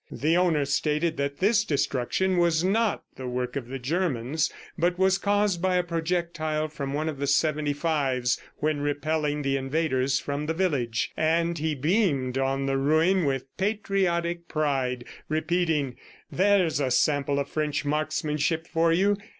The owner stated that this destruction was not the work of the Germans, but was caused by a projectile from one of the seventy fives when repelling the invaders from the village. And he beamed on the ruin with patriotic pride, repeating: "There's a sample of French marksmanship for you!